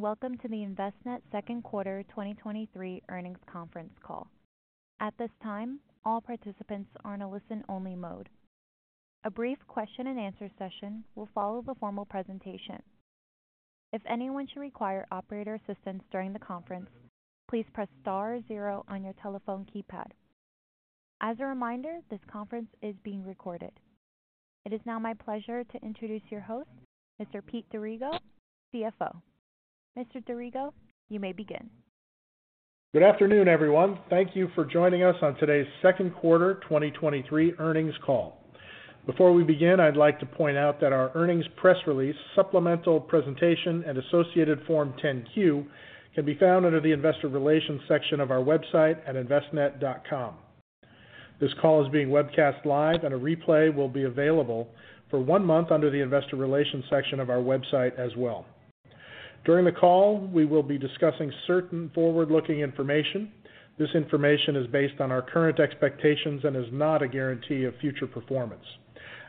Welcome to the Envestnet second quarter 2023 earnings conference call. At this time, all participants are in a listen-only mode. A brief question and answer session will follow the formal presentation. If anyone should require operator assistance during the conference, please press star 0 on your telephone keypad. As a reminder, this conference is being recorded. It is now my pleasure to introduce your host, Mr. Pete D’Arrigo CFO. Mr. D’Arrigo, you may begin. Good afternoon, everyone. Thank you for joining us on today's second quarter 2023 earnings call. Before we begin, I'd like to point out that our earnings press release, supplemental presentation, and associated Form 10-Q can be found under the Investor Relations section of our website at envestnet.com. This call is being webcast live, and a replay will be available for one month under the Investor Relations section of our website as well. During the call, we will be discussing certain forward-looking information. This information is based on our current expectations and is not a guarantee of future performance.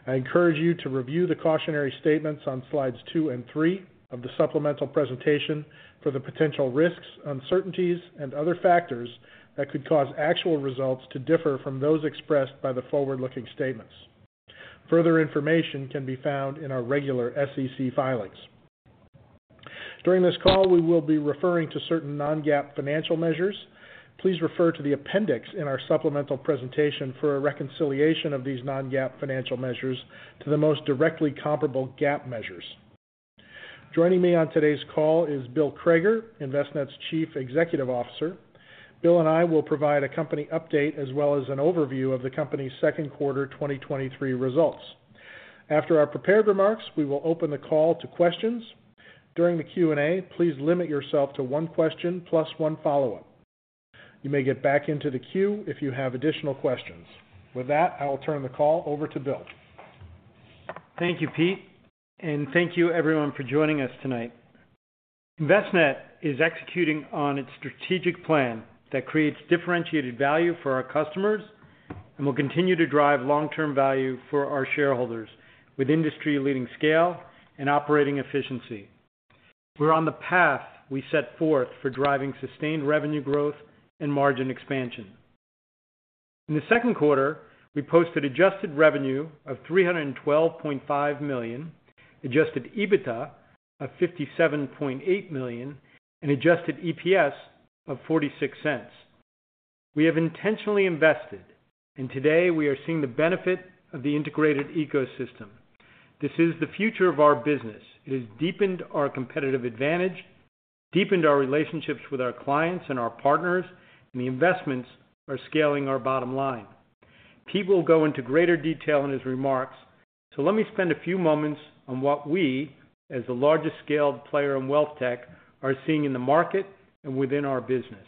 I encourage you to review the cautionary statements on slides two and three of the supplemental presentation for the potential risks, uncertainties, and other factors that could cause actual results to differ from those expressed by the forward-looking statements. Further information can be found in our regular SEC filings. During this call, we will be referring to certain non-GAAP financial measures. Please refer to the appendix in our supplemental presentation for a reconciliation of these non-GAAP financial measures to the most directly comparable GAAP measures. Joining me on today's call is Bill Crager, Envestnet's Chief Executive Officer. Bill and I will provide a company update as well as an overview of the company's second quarter 2023 results. After our prepared remarks, we will open the call to questions. During the Q&A, please limit yourself to one question plus one follow-up. You may get back into the queue if you have additional questions. With that, I will turn the call over to Bill. Thank you, Pete, and thank you everyone for joining us tonight. Envestnet is executing on its strategic plan that creates differentiated value for our customers and will continue to drive long-term value for our shareholders with industry-leading scale and operating efficiency. We're on the path we set forth for driving sustained revenue growth and margin expansion. In the second quarter, we posted adjusted revenue of $312,500,000, adjusted EBITDA of $57,800,000, and adjusted EPS of $0.46. We have intentionally invested, and today we are seeing the benefit of the integrated ecosystem. This is the future of our business. It has deepened our competitive advantage, deepened our relationships with our clients and our partners, and the investments are scaling our bottom line. Pete will go into greater detail in his remarks, so let me spend a few moments on what we, as the largest scaled player in wealth tech, are seeing in the market and within our business.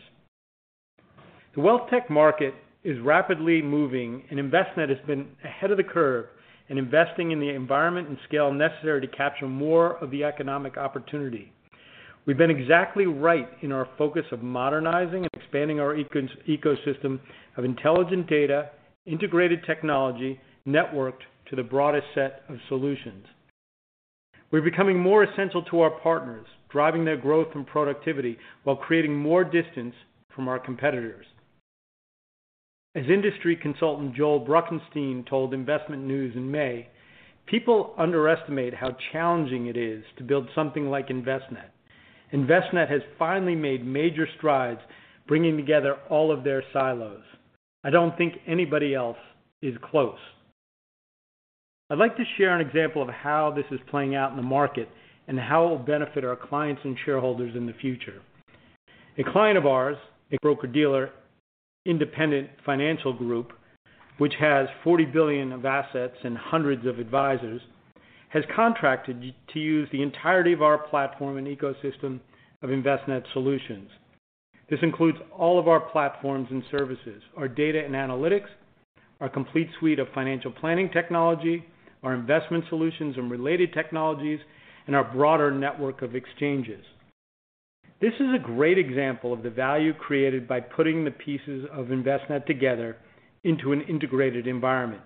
The wealth tech market is rapidly moving, and Envestnet has been ahead of the curve in investing in the environment and scale necessary to capture more of the economic opportunity. We've been exactly right in our focus of modernizing and expanding our ecosystem of intelligent data, integrated technology, networked to the broadest set of solutions. We're becoming more essential to our partners, driving their growth and productivity while creating more distance from our competitors. As industry consultant Joel Bruckenstein told InvestmentNews in May, "People underestimate how challenging it is to build something like Envestnet. Envestnet has finally made major strides bringing together all of their silos. I don't think anybody else is close." I'd like to share an example of how this is playing out in the market and how it will benefit our clients and shareholders in the future. A client of ours, a broker-dealer, Independent Financial Group, which has $40,000,000,000 of assets and hundreds of advisors, has contracted to use the entirety of our platform and ecosystem of Envestnet solutions. This includes all of our platforms and services, our data and analytics, our complete suite of financial planning technology, our investment solutions and related technologies, and our broader network of exchanges. This is a great example of the value created by putting the pieces of Envestnet together into an integrated environment,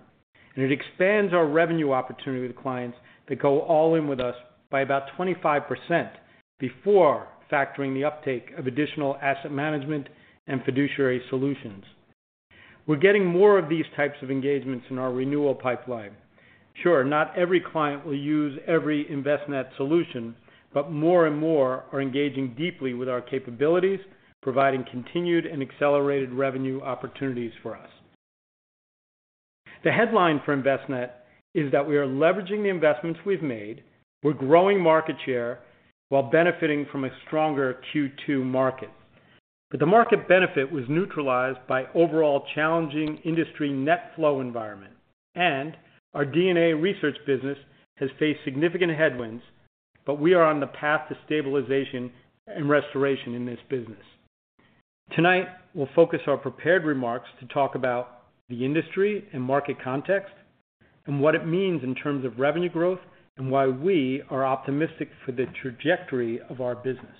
and it expands our revenue opportunity with clients that go all in with us by about 25% before factoring the uptake of additional asset management and fiduciary solutions. We're getting more of these types of engagements in our renewal pipeline. Sure, not every client will use every Envestnet solution. More and more are engaging deeply with our capabilities, providing continued and accelerated revenue opportunities for us. The headline for Envestnet is that we are leveraging the investments we've made. We're growing market share while benefiting from a stronger Q2 market. The market benefit was neutralized by overall challenging industry net flow environment, and our DNA research business has faced significant headwinds, but we are on the path to stabilization and restoration in this business. Tonight, we'll focus our prepared remarks to talk about the industry and market context and what it means in terms of revenue growth and why we are optimistic for the trajectory of our business....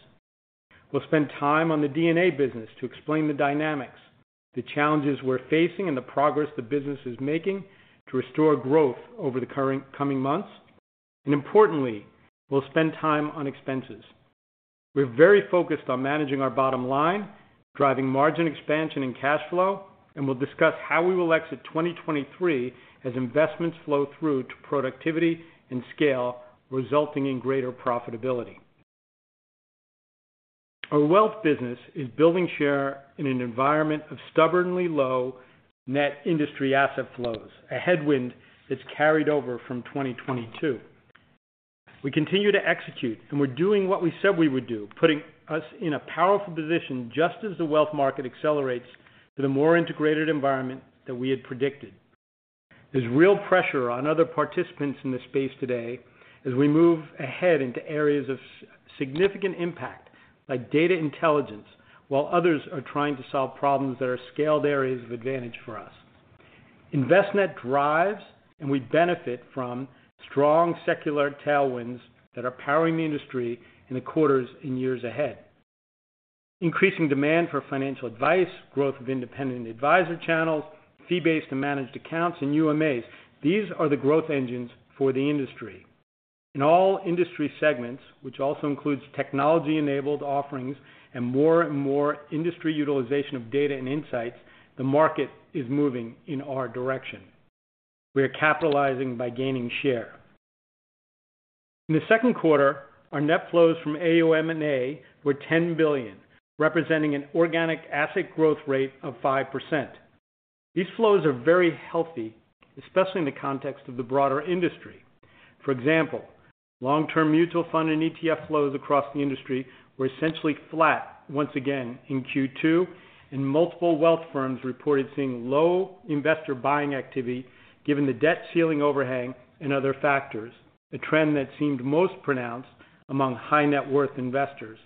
We'll spend time on the DNA business to explain the dynamics, the challenges we're facing, and the progress the business is making to restore growth over the coming months. Importantly, we'll spend time on expenses. We're very focused on managing our bottom line, driving margin expansion and cash flow, and we'll discuss how we will exit 2023 as investments flow through to productivity and scale, resulting in greater profitability. Our wealth business is building share in an environment of stubbornly low net industry asset flows, a headwind that's carried over from 2022. We continue to execute, and we're doing what we said we would do, putting us in a powerful position, just as the wealth market accelerates to the more integrated environment that we had predicted. There's real pressure on other participants in this space today as we move ahead into areas of significant impact, like data intelligence, while others are trying to solve problems that are scaled areas of advantage for us. Envestnet drives, we benefit from strong secular tailwinds that are powering the industry in the quarters and years ahead. Increasing demand for financial advice, growth of independent advisor channels, fee-based and managed accounts, and UMAs. These are the growth engines for the industry. In all industry segments, which also includes technology-enabled offerings and more and more industry utilization of data and insights, the market is moving in our direction. We are capitalizing by gaining share. In the second quarter, our net flows from AUM and A were $10,000,000,000, representing an organic asset growth rate of 5%. These flows are very healthy, especially in the context of the broader industry. For example, long-term mutual fund and ETF flows across the industry were essentially flat once again in Q2, and multiple wealth firms reported seeing low investor buying activity, given the debt ceiling overhang and other factors, a trend that seemed most pronounced among high net worth investors.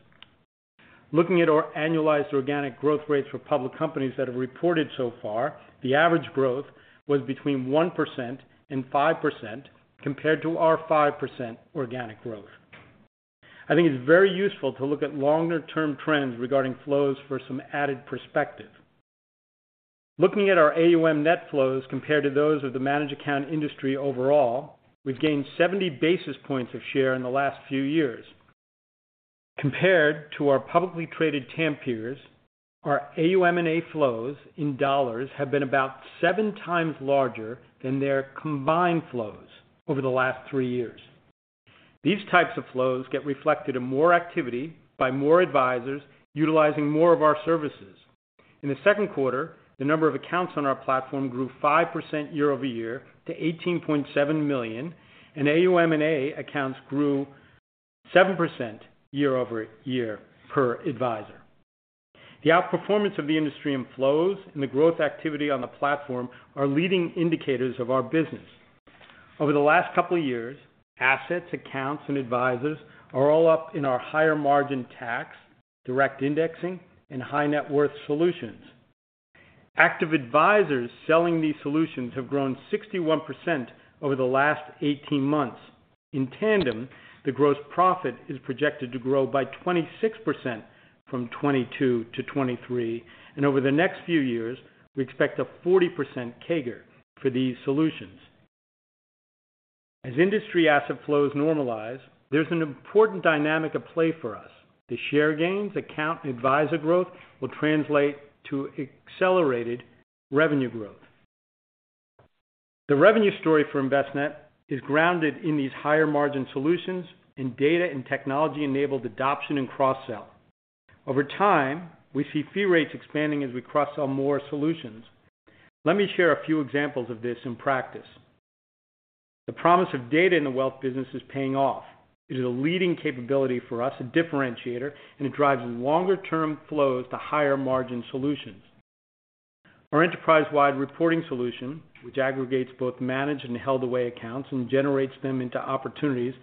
Looking at our annualized organic growth rates for public companies that have reported so far, the average growth was between 1% and 5%, compared to our 5% organic growth. I think it's very useful to look at longer-term trends regarding flows for some added perspective. Looking at our AUM net flows compared to those of the managed account industry overall, we've gained 70 basis points of share in the last few years. Compared to our publicly traded TAM peers, our AUM and A flows in dollars have been about 7 times larger than their combined flows over the last 3 years. These types of flows get reflected in more activity by more advisors, utilizing more of our services. In the second quarter, the number of accounts on our platform grew 5% year-over-year to $18,700,000, and AUM and A accounts grew 7% year-over-year per advisor. The outperformance of the industry in flows and the growth activity on the platform are leading indicators of our business. Over the last couple of years, assets, accounts, and advisors are all up in our higher-margin tax, direct indexing, and high net worth solutions. Active advisors selling these solutions have grown 61% over the last 18 months. In tandem, the gross profit is projected to grow by 26% from 2022 to 2023, and over the next few years, we expect a 40% CAGR for these solutions. As industry asset flows normalize, there's an important dynamic at play for us. The share gains, account advisor growth, will translate to accelerated revenue growth. The revenue story for Envestnet is grounded in these higher-margin solutions and data and technology-enabled adoption and cross-sell. Over time, we see fee rates expanding as we cross-sell more solutions. Let me share a few examples of this in practice. The promise of data in the wealth business is paying off. It is a leading capability for us, a differentiator, and it drives longer-term flows to higher-margin solutions. Our enterprise-wide reporting solution, which aggregates both managed and held away accounts and generates them into opportunities,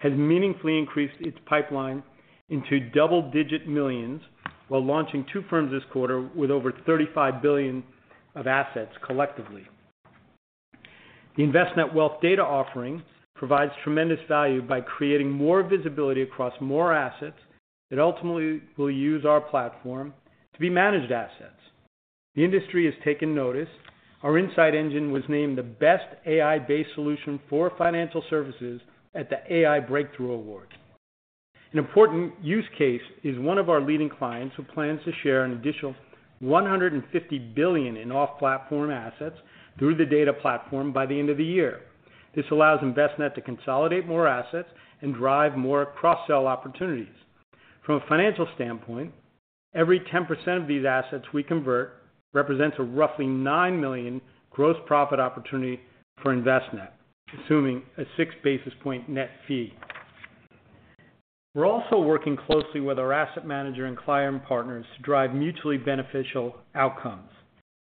has meaningfully increased its pipeline into double-digit millions, while launching two firms this quarter with over $35,000,000,000 of assets collectively. The Envestnet Wealth data offering provides tremendous value by creating more visibility across more assets that ultimately will use our platform to be managed assets. The industry has taken notice. Our Insights Engine was named the best AI-based solution for financial services at the AI Breakthrough Awards. An important use case is one of our leading clients, who plans to share an additional $150,000,000,000 in off-platform assets through the data platform by the end of the year. This allows Envestnet to consolidate more assets and drive more cross-sell opportunities. From a financial standpoint, every 10% of these assets we convert represents a roughly $9,000,000 gross profit opportunity for Envestnet, consuming a 6 basis point net fee. We're also working closely with our asset manager and client partners to drive mutually beneficial outcomes.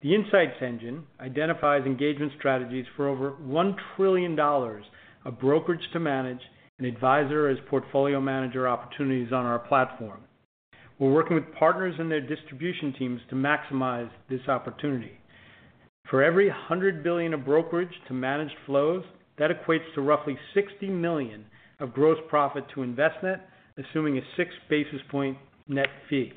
The Insights Engine identifies engagement strategies for over $1 trillion of brokerage-to-managed and Advisor as Portfolio Manager opportunities on our platform. We're working with partners and their distribution teams to maximize this opportunity. For every $100,000,000,000 of brokerage-to-managed flows, that equates to roughly $60,000,000 of gross profit to Envestnet, assuming a 6 basis point net fee.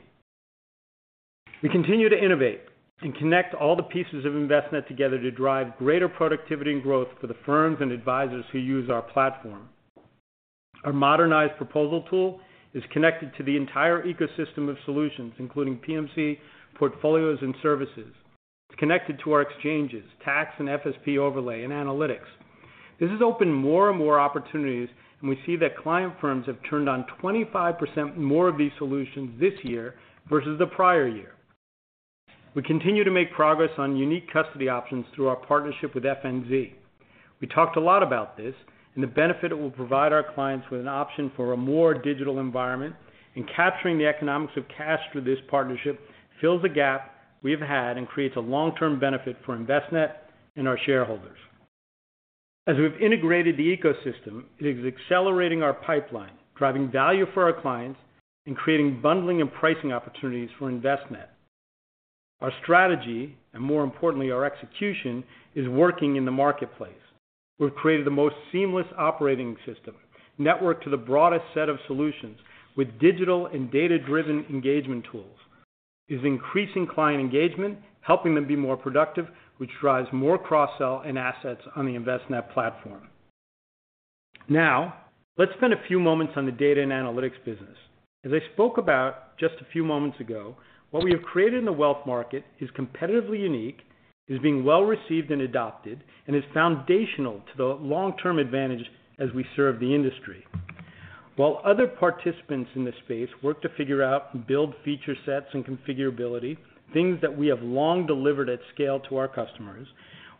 We continue to innovate and connect all the pieces of Envestnet together to drive greater productivity and growth for the firms and advisors who use our platform. Our modernized proposal tool is connected to the entire ecosystem of solutions, including PMC, portfolios, and services. It's connected to our exchanges, tax and FSP overlay, and analytics. This has opened more and more opportunities, and we see that client firms have turned on 25% more of these solutions this year versus the prior year. We continue to make progress on unique custody options through our partnership with FNZ. We talked a lot about this and the benefit it will provide our clients with an option for a more digital environment, and capturing the economics of cash through this partnership fills the gap we have had and creates a long-term benefit for Envestnet and our shareholders. As we've integrated the ecosystem, it is accelerating our pipeline, driving value for our clients, and creating bundling and pricing opportunities for Envestnet. Our strategy, and more importantly, our execution, is working in the marketplace. We've created the most seamless operating system, networked to the broadest set of solutions with digital and data-driven engagement tools, is increasing client engagement, helping them be more productive, which drives more cross-sell and assets on the Envestnet platform. Now, let's spend a few moments on the data and analytics business. As I spoke about just a few moments ago, what we have created in the wealth market is competitively unique, is being well received and adopted, and is foundational to the long-term advantage as we serve the industry. While other participants in this space work to figure out and build feature sets and configurability, things that we have long delivered at scale to our customers,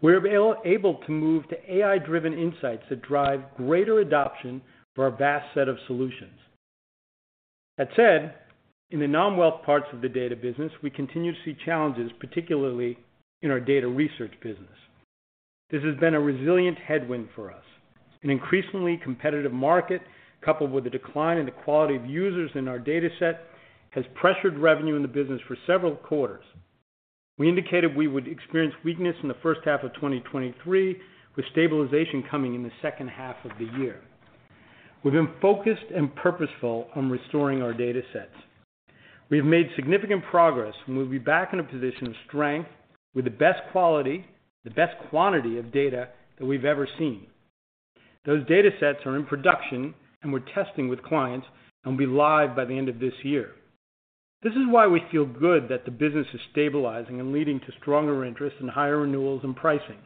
we're able to move to AI-driven insights that drive greater adoption for our vast set of solutions. That said, in the non-wealth parts of the data business, we continue to see challenges, particularly in our data research business. This has been a resilient headwind for us. An increasingly competitive market, coupled with a decline in the quality of users in our dataset, has pressured revenue in the business for several quarters. We indicated we would experience weakness in the first half of 2023, with stabilization coming in the second half of the year. We've been focused and purposeful on restoring our datasets. We have made significant progress, and we'll be back in a position of strength with the best quality, the best quantity of data that we've ever seen. Those datasets are in production, and we're testing with clients and will be live by the end of this year. This is why we feel good that the business is stabilizing and leading to stronger interest and higher renewals and pricing.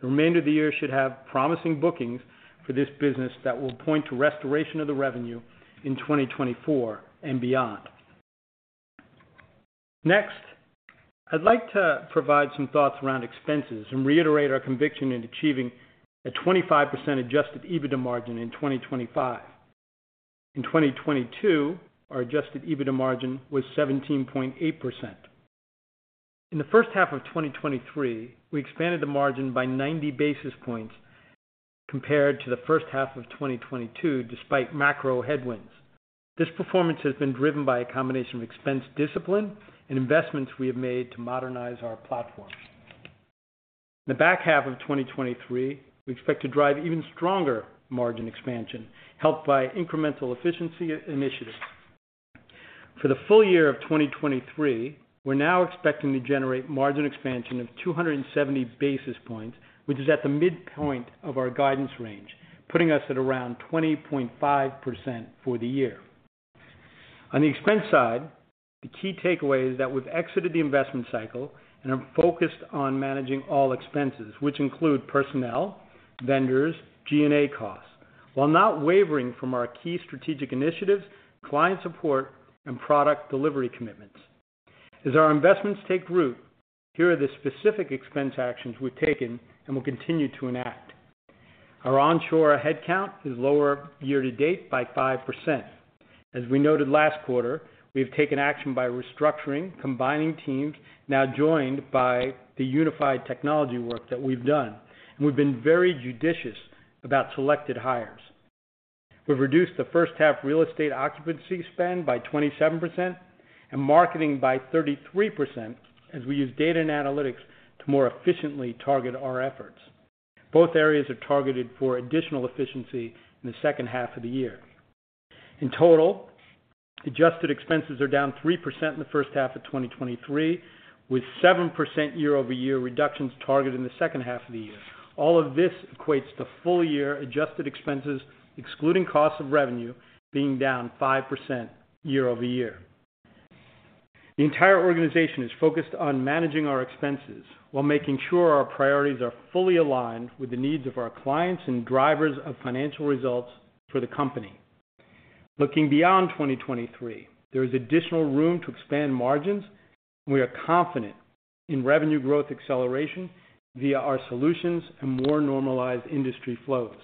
The remainder of the year should have promising bookings for this business that will point to restoration of the revenue in 2024 and beyond. Next, I'd like to provide some thoughts around expenses and reiterate our conviction in achieving a 25% adjusted EBITDA margin in 2025. In 2022, our adjusted EBITDA margin was 17.8%. In the first half of 2023, we expanded the margin by 90 basis points compared to the first half of 2022, despite macro headwinds. This performance has been driven by a combination of expense, discipline, and investments we have made to modernize our platform. In the back half of 2023, we expect to drive even stronger margin expansion, helped by incremental efficiency initiatives. For the full year of 2023, we're now expecting to generate margin expansion of 270 basis points, which is at the midpoint of our guidance range, putting us at around 20.5% for the year. On the expense side, the key takeaway is that we've exited the investment cycle and are focused on managing all expenses, which include personnel, vendors, G&A costs, while not wavering from our key strategic initiatives, client support, and product delivery commitments. As our investments take root, here are the specific expense actions we've taken and will continue to enact. Our onshore headcount is lower year to date by 5%. As we noted last quarter, we've taken action by restructuring, combining teams, now joined by the unified technology work that we've done, and we've been very judicious about selected hires. We've reduced the first half real estate occupancy spend by 27% and marketing by 33%, as we use data and analytics to more efficiently target our efforts. Both areas are targeted for additional efficiency in the second half of the year. In total, adjusted expenses are down 3% in the first half of 2023, with 7% year-over-year reductions targeted in the second half of the year. All of this equates to full-year adjusted expenses, excluding costs of revenue being down 5% year-over-year. The entire organization is focused on managing our expenses while making sure our priorities are fully aligned with the needs of our clients and drivers of financial results for the company. Looking beyond 2023, there is additional room to expand margins. We are confident in revenue growth acceleration via our solutions and more normalized industry flows.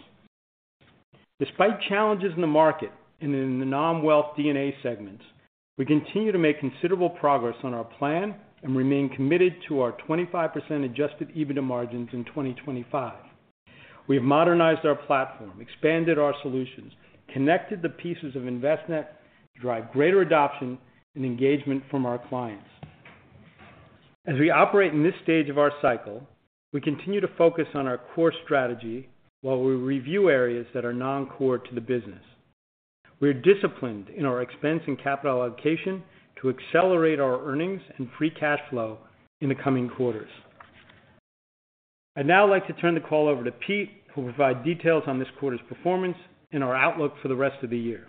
Despite challenges in the market and in the non-wealth DNA segments, we continue to make considerable progress on our plan and remain committed to our 25% adjusted EBITDA margins in 2025. We've modernized our platform, expanded our solutions, connected the pieces of Envestnet to drive greater adoption and engagement from our clients. As we operate in this stage of our cycle, we continue to focus on our core strategy while we review areas that are non-core to the business. We're disciplined in our expense and capital allocation to accelerate our earnings and free cash flow in the coming quarters. I'd now like to turn the call over to Pete, who will provide details on this quarter's performance and our outlook for the rest of the year.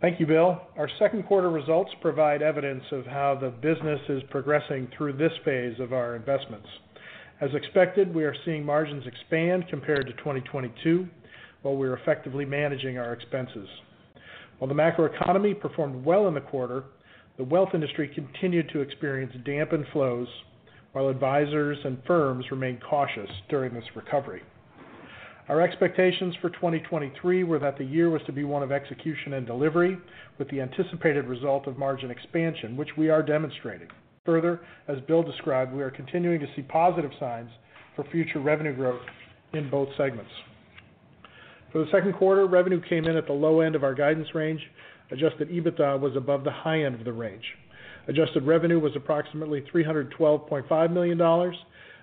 Thank you, Bill. Our second quarter results provide evidence of how the business is progressing through this phase of our investments. As expected, we are seeing margins expand compared to 2022, while we are effectively managing our expenses. While the macroeconomy performed well in the quarter, the wealth industry continued to experience dampened flows, while advisors and firms remained cautious during this recovery. Our expectations for 2023 were that the year was to be one of execution and delivery, with the anticipated result of margin expansion, which we are demonstrating. Further, as Bill described, we are continuing to see positive signs for future revenue growth in both segments. For the second quarter, revenue came in at the low end of our guidance range. Adjusted EBITDA was above the high end of the range. Adjusted revenue was approximately $312,500,000.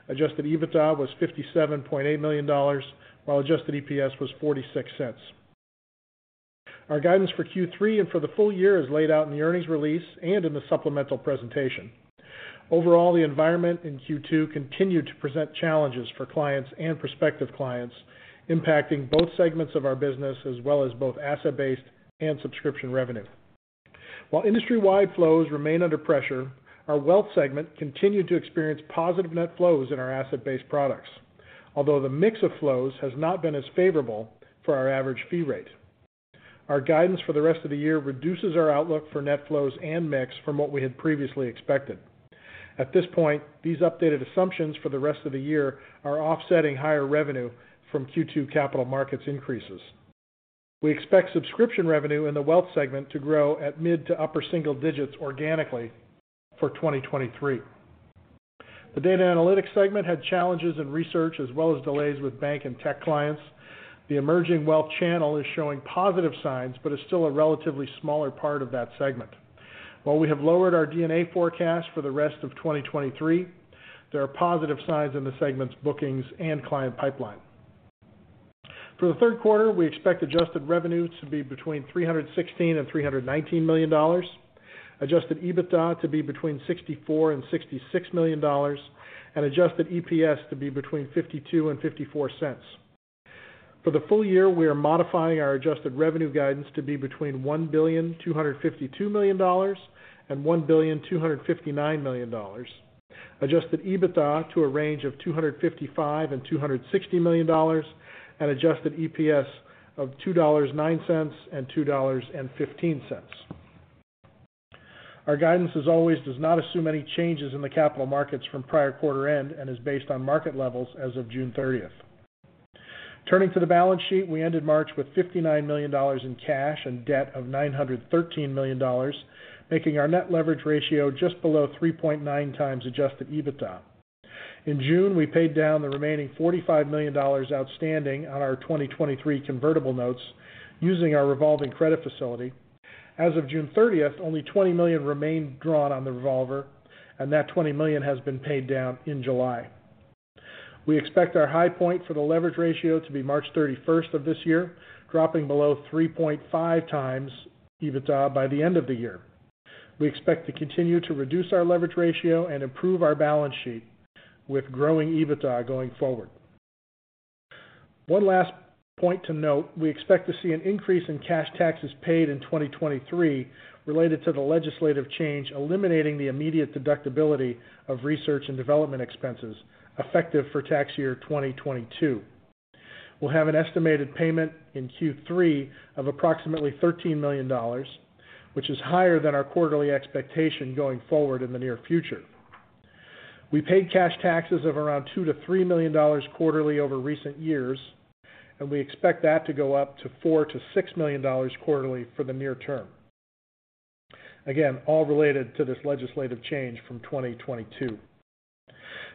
Adjusted EBITDA was $57,800,000, while adjusted EPS was $0.46. Our guidance for Q3 and for the full year is laid out in the earnings release and in the supplemental presentation. Overall, the environment in Q2 continued to present challenges for clients and prospective clients, impacting both segments of our business, as well as both asset-based and subscription revenue. While industry-wide flows remain under pressure, our wealth segment continued to experience positive net flows in our asset-based products, although the mix of flows has not been as favorable for our average fee rate. Our guidance for the rest of the year reduces our outlook for net flows and mix from what we had previously expected. At this point, these updated assumptions for the rest of the year are offsetting higher revenue from Q2 capital markets increases. We expect subscription revenue in the wealth segment to grow at mid to upper single digits organically for 2023. The data analytics segment had challenges in research, as well as delays with bank and tech clients. The emerging wealth channel is showing positive signs, but is still a relatively smaller part of that segment. While we have lowered our DNA forecast for the rest of 2023, there are positive signs in the segment's bookings and client pipeline. For the third quarter, we expect adjusted revenue to be between $316,000,000 and $319,000,000, adjusted EBITDA to be between $64,000,000 and $66,000,000, and adjusted EPS to be between $0.52 and $0.54. For the full year, we are modifying our adjusted revenue guidance to be between $1,252,000,000 and $1,259,000,000, adjusted EBITDA to a range of $255,000,000 and $260,000,000, and adjusted EPS of $2.09 and $2.15. Our guidance, as always, does not assume any changes in the capital markets from prior quarter end and is based on market levels as of June 30th. Turning to the balance sheet, we ended March with $59,000,000 in cash and debt of $913,000,000, making our net leverage ratio just below 3.9 times adjusted EBITDA. In June, we paid down the remaining $45,000,000 outstanding on our 2023 convertible notes, using our revolving credit facility. As of June 30th, only $20,000,000 remained drawn on the revolver. That $20,000,000 has been paid down in July. We expect our high point for the leverage ratio to be March 31st of this year, dropping below 3.5x EBITDA by the end of the year. We expect to continue to reduce our leverage ratio and improve our balance sheet with growing EBITDA going forward. One last point to note, we expect to see an increase in cash taxes paid in 2023 related to the legislative change, eliminating the immediate deductibility of research and development expenses, effective for tax year 2022. We'll have an estimated payment in Q3 of approximately $13,000,000, which is higher than our quarterly expectation going forward in the near future. We paid cash taxes of around $2,000,000-$3,000,000 quarterly over recent years, and we expect that to go up to $4,000,000-$6,000,000 quarterly for the near term. Again, all related to this legislative change from 2022.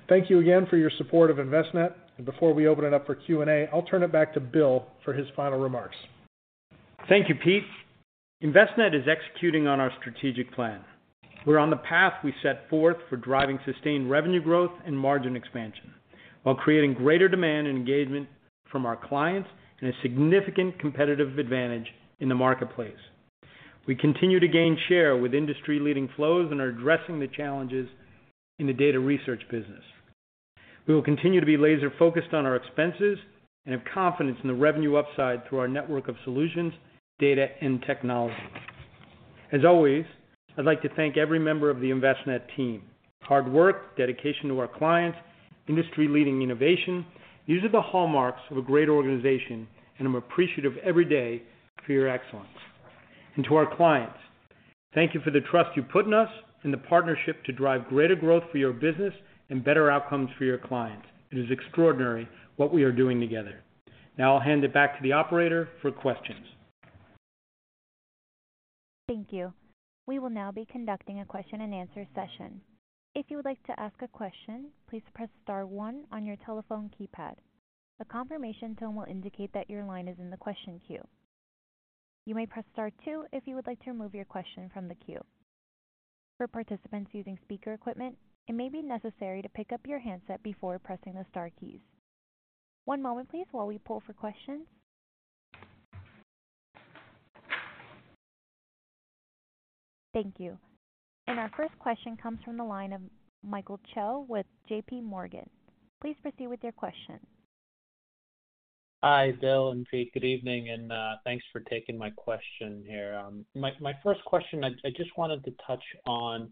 Thank you again for your support of Envestnet. Before we open it up for Q&A, I'll turn it back to Bill for his final remarks. Thank you, Pete. Envestnet is executing on our strategic plan. We're on the path we set forth for driving sustained revenue growth and margin expansion while creating greater demand and engagement from our clients in a significant competitive advantage in the marketplace. We continue to gain share with industry-leading flows and are addressing the challenges in the data research business. We will continue to be laser-focused on our expenses and have confidence in the revenue upside through our network of solutions, data, and technology. As always, I'd like to thank every member of the Envestnet team. Hard work, dedication to our clients, industry-leading innovation, these are the hallmarks of a great organization, and I'm appreciative every day for your excellence. To our clients, thank you for the trust you put in us and the partnership to drive greater growth for your business and better outcomes for your clients. It is extraordinary what we are doing together. Now, I'll hand it back to the operator for questions. Thank you. We will now be conducting a question-and-answer session. If you would like to ask a question, please press star one on your telephone keypad. A confirmation tone will indicate that your line is in the question queue. You may press star two if you would like to remove your question from the queue. For participants using speaker equipment, it may be necessary to pick up your handset before pressing the star keys. One moment, please, while we pull for questions. Thank you. Our first question comes from the line of Michael Chell with J.P. Morgan. Please proceed with your question. Hi, Bill and Pete. Good evening, and thanks for taking my question here. My, my first question, I, I just wanted to touch on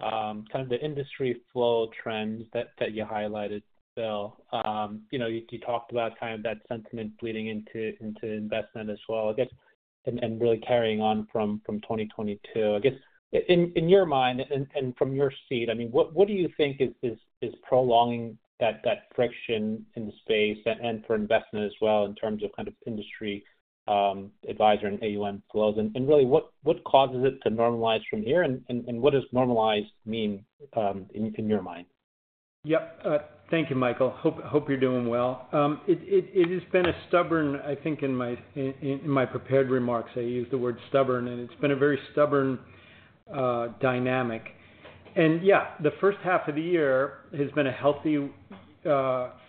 kind of the industry flow trends that, that you highlighted, Bill. You know, you, you talked about kind of that sentiment bleeding into, into investment as well, I guess, and, and really carrying on from 2022. I guess, in, in your mind and, and from your seat, I mean, what, what do you think is, is, is prolonging that, that friction in the space and, and for Envestnet as well, in terms of kind of industry, advisor and AUM flows? Really, what, what causes it to normalize from here? What does normalized mean in, in your mind? Yep. Thank you, Michael. Hope, hope you're doing well. It has been a stubborn... I think in my prepared remarks, I used the word stubborn, and it's been a very stubborn dynamic. Yeah, the first half of the year has been a healthy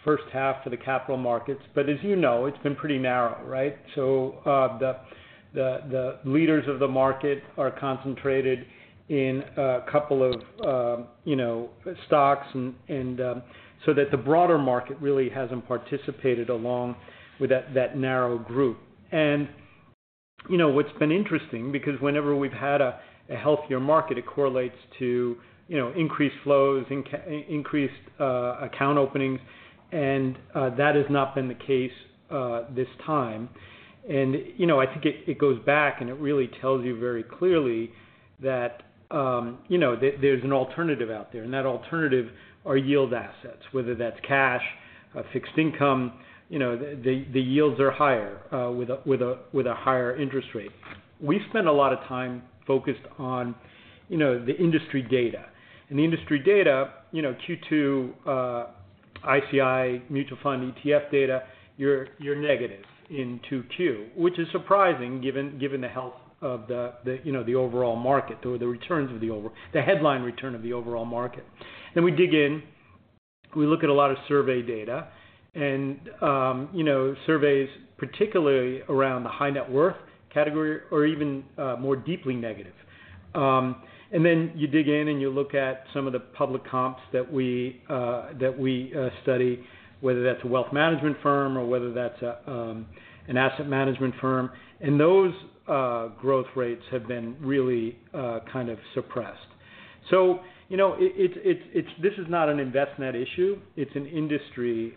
first half for the capital markets. As you know, it's been pretty narrow, right? The leaders of the market are concentrated in a couple of, you know, stocks and, so that the broader market really hasn't participated along with that, that narrow group. You know, what's been interesting, because whenever we've had a healthier market, it correlates to, you know, increased flows, increased account openings, and that has not been the case this time. You know, I think it, it goes back, and it really tells you very clearly that, you know, there, there's an alternative out there, and that alternative are yield assets, whether that's cash, fixed income, you know, the, the yields are higher, with a, with a, with a higher interest rate. We spend a lot of time focused on, you know, the industry data. The industry data, you know, Q2, ICI Mutual Fund, ETF data, you're, you're negative in Q2, which is surprising, given, given the health of the, the, you know, the overall market or the returns of the headline return of the overall market. We dig in, we look at a lot of survey data, and, you know, surveys, particularly around the high net worth category, are even more deeply negative. You dig in, and you look at some of the public comps that we that we study, whether that's a wealth management firm or whether that's an asset management firm, and those growth rates have been really kind of suppressed. You know, it's not an Envestnet issue, it's an industry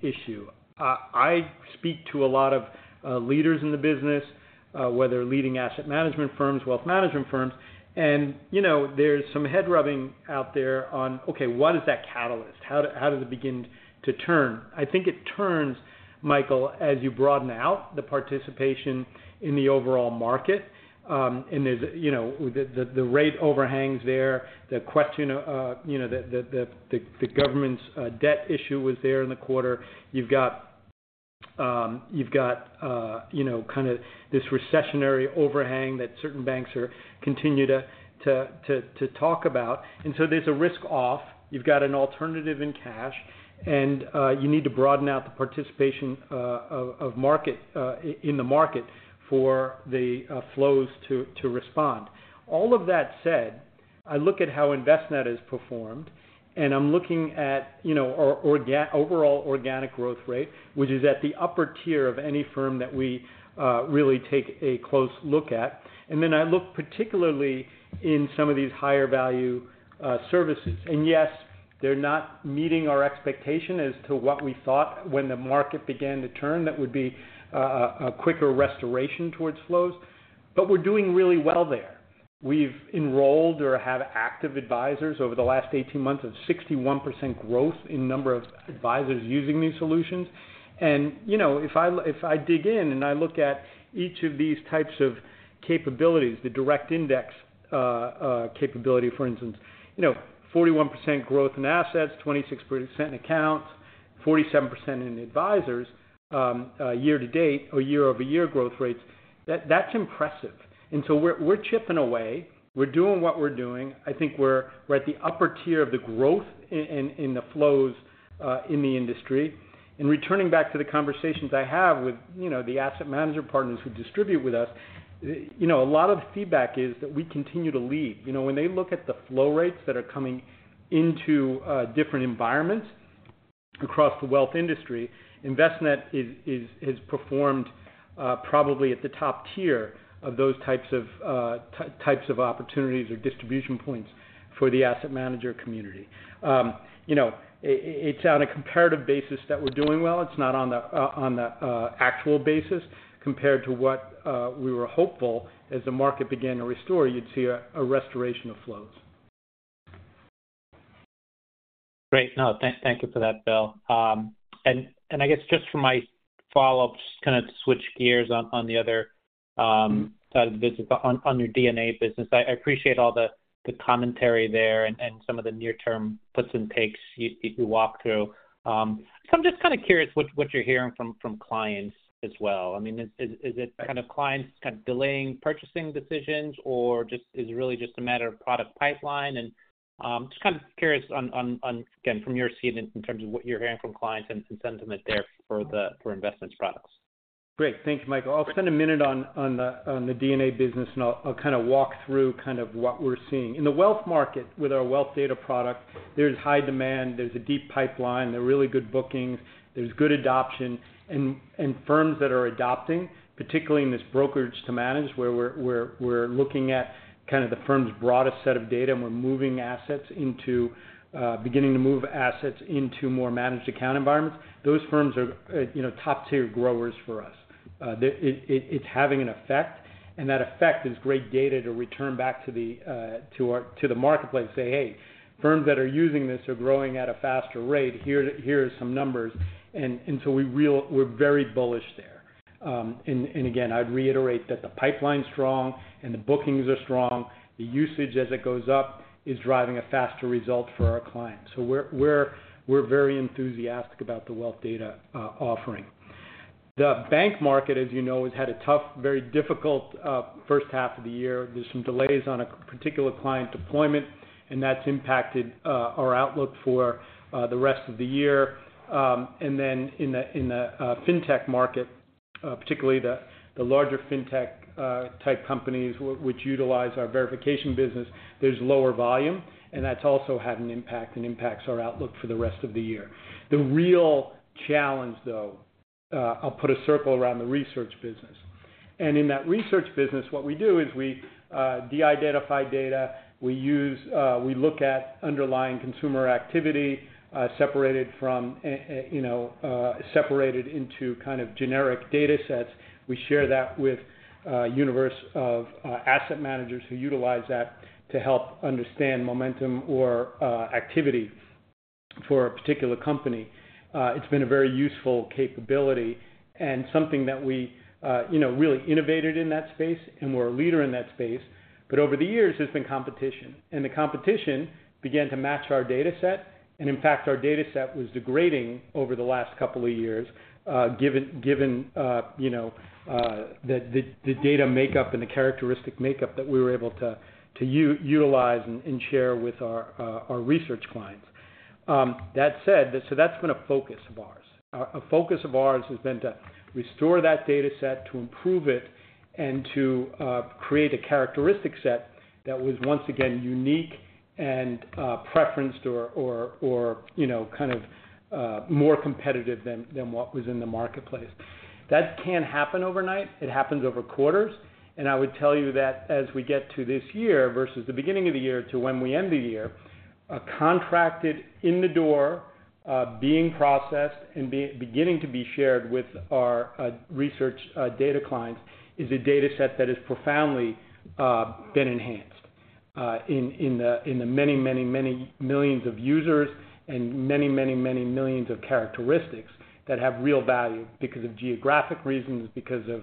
issue. I speak to a lot of leaders in the business, whether leading asset management firms, wealth management firms, and, you know, there's some head rubbing out there on, okay, what is that catalyst? How does it begin to turn? I think it turns, Michael, as you broaden out the participation in the overall market, and there's, you know, the, the, the, the, the rate overhangs there, the question of, you know, the, the, the, the, the government's, debt issue was there in the quarter. You've got, you've got, you know, kind of this recessionary overhang that certain banks are continue to, to, to, to talk about. So there's a risk off. You've got an alternative in cash, and you need to broaden out the participation of, of market, i-in the market for the, flows to, to respond. All of that said, I look at how Envestnet has performed, and I'm looking at, you know, our organ- overall organic growth rate, which is at the upper tier of any firm that we really take a close look at. Then I look particularly in some of these higher value services. Yes, they're not meeting our expectation as to what we thought when the market began to turn. That would be a quicker restoration towards flows, but we're doing really well there. We've enrolled or have active advisors over the last 18 months of 61% growth in number of advisors using these solutions. You know, if I dig in and I look at each of these types of capabilities, the direct index capability, for instance, you know, 41% growth in assets, 26% in accounts, 47% in advisors, year to date or year-over-year growth rates, that's impressive. So we're, we're chipping away. We're doing what we're doing. I think we're, we're at the upper tier of the growth in, in the flows, in the industry. Returning back to the conversations I have with, you know, the asset manager partners who distribute with us, you know, a lot of the feedback is that we continue to lead. You know, when they look at the flow rates that are coming into different environments across the wealth industry, Envestnet has performed probably at the top tier of those types of opportunities or distribution points for the asset manager community. You know, it's on a comparative basis that we're doing well. It's not on the, on the actual basis compared to what we were hopeful as the market began to restore, you'd see a restoration of flows.... Great. No, thank you for that, Bill. I guess just for my follow-up, just kind of to switch gears on the other side of the business, on your DNA business. I appreciate all the commentary there and some of the near-term puts and takes you walked through. I'm just kind of curious what you're hearing from clients as well. I mean, is it kind of clients kind of delaying purchasing decisions, or just is it really just a matter of product pipeline? Just kind of curious on again, from your seat in terms of what you're hearing from clients and sentiment there for investments products. Great. Thank you, Michael. I'll spend a minute on the DNA business, and I'll kind of walk through what we're seeing. In the wealth market, with our wealth data product, there's high demand, there's a deep pipeline, there are really good bookings, there's good adoption. Firms that are adopting, particularly in this brokerage-to-managed, where we're looking at kind of the firm's broadest set of data, and we're moving assets into beginning to move assets into more managed account environments. Those firms are, you know, top-tier growers for us. It's having an effect, and that effect is great data to return back to the marketplace and say, "Hey, firms that are using this are growing at a faster rate. Here, here are some numbers." We're very bullish there. Again, I'd reiterate that the pipeline's strong and the bookings are strong. The usage as it goes up, is driving a faster result for our clients. We're very enthusiastic about the wealth data offering. The bank market, as you know, has had a tough, very difficult first half of the year. There's some delays on a particular client deployment, and that's impacted our outlook for the rest of the year. In the fintech market, particularly the larger fintech type companies which utilize our verification business, there's lower volume, and that's also had an impact and impacts our outlook for the rest of the year. The real challenge, though, I'll put a circle around the research business. In that research business, what we do is we de-identify data. We use, we look at underlying consumer activity, separated from, you know, separated into kind of generic datasets. We share that with a universe of asset managers who utilize that to help understand momentum or activity for a particular company. It's been a very useful capability and something that we, you know, really innovated in that space, and we're a leader in that space. Over the years, there's been competition, and the competition began to match our dataset, and in fact, our dataset was degrading over the last couple of years, given, given, you know, the, the, the data makeup and the characteristic makeup that we were able to utilize and share with our research clients. That said, that's been a focus of ours. A, a focus of ours has been to restore that dataset, to improve it, and to create a characteristic set that was once again unique and preferenced or, or, or, you know, kind of, more competitive than, than what was in the marketplace. That can't happen overnight. It happens over quarters, and I would tell you that as we get to this year versus the beginning of the year to when we end the year, a contracted in the door, being processed and beginning to be shared with our research data clients, is a dataset that is profoundly been enhanced in, in the, in the many, many, many millions of users and many, many, many millions of characteristics that have real value because of geographic reasons, because of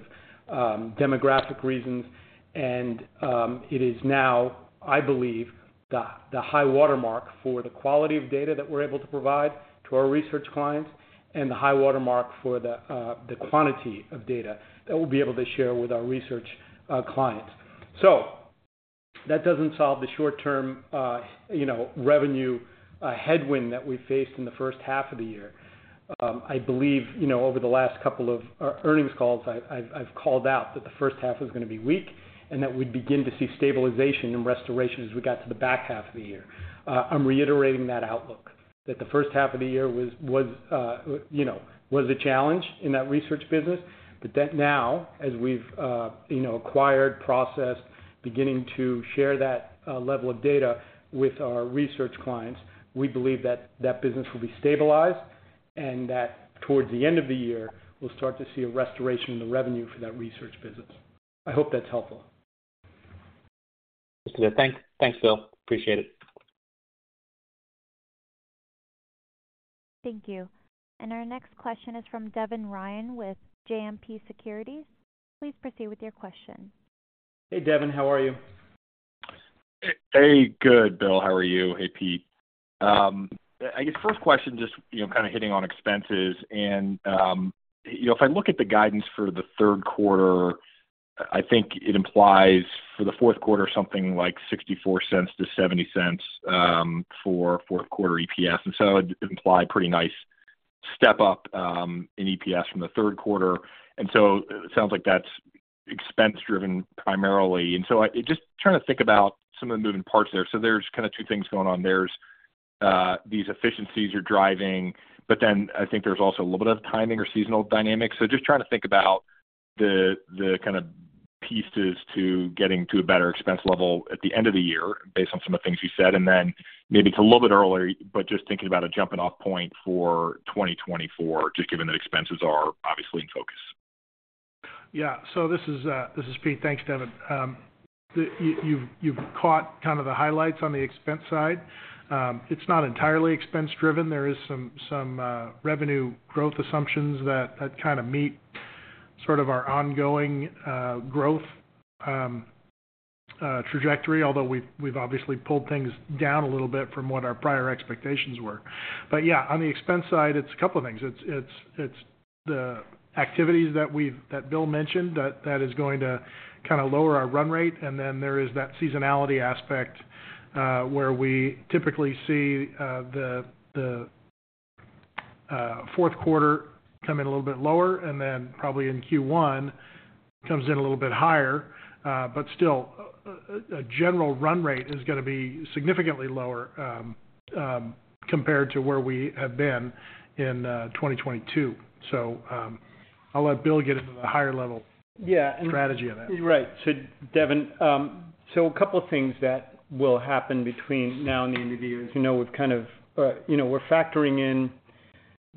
demographic reasons. It is now, I believe, the, the high watermark for the quality of data that we're able to provide to our research clients and the high watermark for the, the quantity of data that we'll be able to share with our research clients. That doesn't solve the short-term, you know, revenue headwind that we faced in the first half of the year. I believe, you know, over the last couple of earnings calls, I, I've, I've called out that the first half was gonna be weak, and that we'd begin to see stabilization and restoration as we got to the back half of the year. I'm reiterating that outlook, that the first half of the year was, was, you know, was a challenge in that research business. That now, as we've, you know, acquired, processed, beginning to share that level of data with our research clients, we believe that that business will be stabilized and that towards the end of the year, we'll start to see a restoration in the revenue for that research business. I hope that's helpful. Thanks. Thanks, Bill. Appreciate it. Thank you. Our next question is from Devin Ryan with JMP Securities. Please proceed with your question. Hey, Devin, how are you? Hey, good, Bill. How are you? Hey, Pete. I guess first question, just, you know, kind of hitting on expenses, you know, if I look at the guidance for the third quarter, I think it implies for the fourth quarter, something like $0.64-$0.70 for fourth quarter EPS. It'd imply pretty nice step up in EPS from the third quarter, it sounds like that's expense-driven primarily. I-- just trying to think about some of the moving parts there. There's kind of two things going on. There's these efficiencies you're driving, but then I think there's also a little bit of timing or seasonal dynamics. Just trying to think about the, the kind of pieces to getting to a better expense level at the end of the year based on some of the things you said, and then maybe it's a little bit earlier, but just thinking about a jumping-off point for 2024, just given that expenses are obviously in focus. Yeah. This is Pete. Thanks, Devin. You've, you've caught kind of the highlights on the expense side. It's not entirely expense-driven. There is some, some revenue growth assumptions that, that kind of meet sort of our ongoing growth trajectory, although we've, we've obviously pulled things down a little bit from what our prior expectations were. On the expense side, it's a couple of things. It's, it's, it's the activities that Bill mentioned, that, that is going to kinda lower our run rate. Then there is that seasonality aspect, where we typically see the fourth quarter come in a little bit lower, then probably in Q1, comes in a little bit higher. Still, a, a general run rate is gonna be significantly lower, compared to where we have been in 2022. I'll let Bill get into the higher level. Yeah strategy of that. Right. Devin, a couple of things that will happen between now and the end of the year. As you know, we've kind of, you know, we're factoring in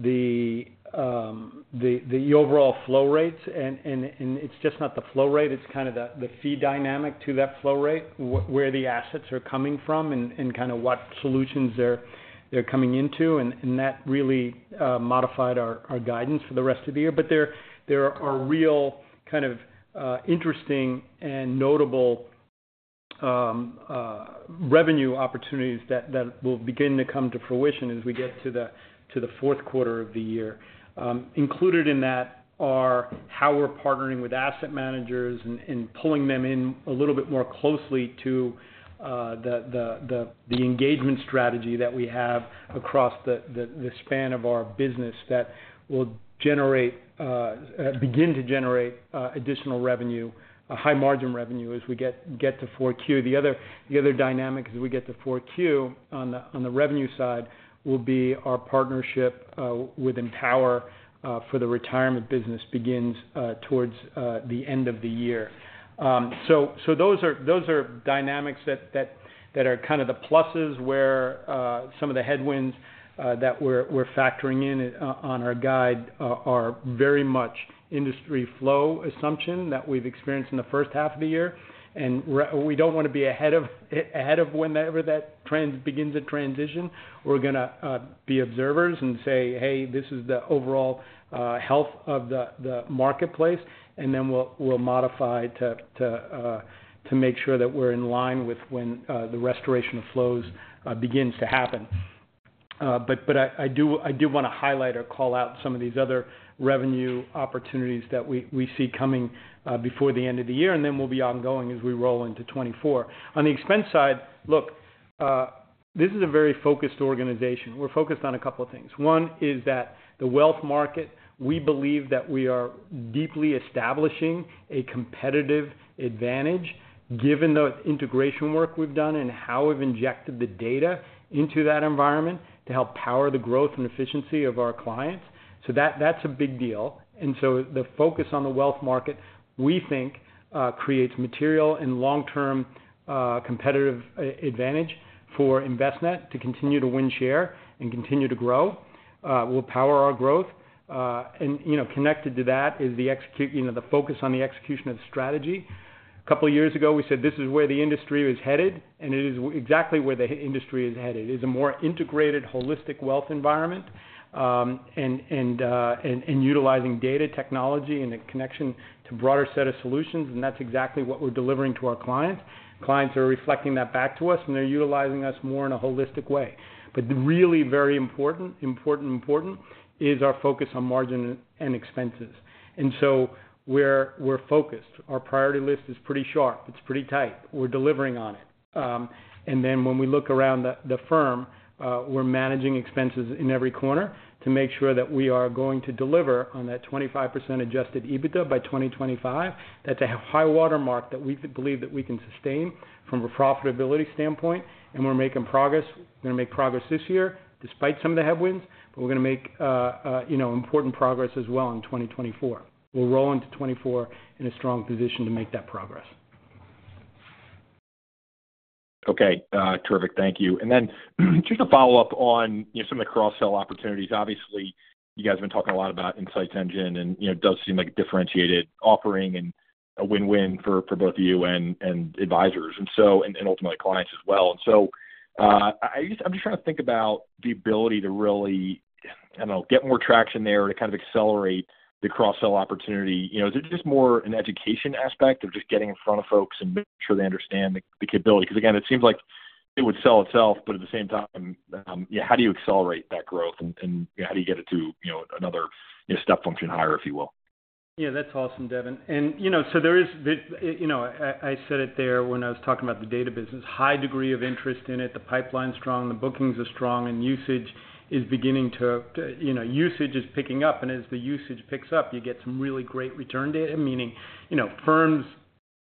the, the overall flow rates, and, and, and it's just not the flow rate, it's kind of the, the fee dynamic to that flow rate, where the assets are coming from and, and kind of what solutions they're, they're coming into, and, and that really modified our, our guidance for the rest of the year. There, there are real kind of interesting and notable revenue opportunities that, that will begin to come to fruition as we get to the, to the fourth quarter of the year. Included in that are how we're partnering with asset managers and, and pulling them in a little bit more closely to the engagement strategy that we have across the span of our business, that will generate, begin to generate additional revenue, a high margin revenue, as we get, get to 4Q. The other, the other dynamic as we get to 4Q on the revenue side, will be our partnership with Empower for the retirement business, begins towards the end of the year. Those are, those are dynamics that, that, that are kind of the pluses, where some of the headwinds that we're, we're factoring in on our guide are very much industry flow assumption that we've experienced in the first half of the year. We don't want to be ahead of whenever that begins to transition. We're gonna be observers and say, "Hey, this is the overall health of the marketplace," and then we'll modify to make sure that we're in line with when the restoration of flows begins to happen. But I do want to highlight or call out some of these other revenue opportunities that we see coming before the end of the year, and then will be ongoing as we roll into 2024. On the expense side, look, this is a very focused organization. We're focused on a couple of things. One is that the wealth market, we believe that we are deeply establishing a competitive advantage given the integration work we've done and how we've injected the data into that environment to help power the growth and efficiency of our clients. That's a big deal. The focus on the wealth market, we think, creates material and long-term competitive advantage for Envestnet to continue to win share and continue to grow, will power our growth. You know, connected to that is the you know, the focus on the execution of strategy. A couple of years ago, we said this is where the industry was headed, and it is exactly where the industry is headed. It's a more integrated, holistic wealth environment, and, and, and, and utilizing data technology and the connection to broader set of solutions, and that's exactly what we're delivering to our clients. Clients are reflecting that back to us, and they're utilizing us more in a holistic way. Really very important, important, important is our focus on margin and expenses. So we're, we're focused. Our priority list is pretty sharp. It's pretty tight. We're delivering on it. When we look around the, the firm, we're managing expenses in every corner to make sure that we are going to deliver on that 25% adjusted EBITDA by 2025. That's a high-water mark that we believe that we can sustain from a profitability standpoint, and we're making progress. We're gonna make progress this year, despite some of the headwinds, but we're gonna make, you know, important progress as well in 2024. We'll roll into 2024 in a strong position to make that progress. Okay, terrific. Thank you. Just a follow-up on, you know, some of the cross-sell opportunities. Obviously, you guys have been talking a lot about Insights Engine and, you know, it does seem like a differentiated offering and a win-win for, for both of you and, and advisors, and so, and, and ultimately clients as well. I'm just trying to think about the ability to really, I don't know, get more traction there to kind of accelerate the cross-sell opportunity. You know, is it just more an education aspect of just getting in front of folks and making sure they understand the, the capability? Again, it seems like it would sell itself, but at the same time, yeah, how do you accelerate that growth and, and, you know, how do you get it to, you know, another, you know, step function higher, if you will? Yeah, that's awesome, Devin. you know, I, I said it there when I was talking about the data business: high degree of interest in it, the pipeline's strong, the bookings are strong, and usage is beginning to. You know, usage is picking up, and as the usage picks up, you get some really great return data, meaning, you know, firms